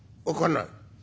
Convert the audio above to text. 開かない。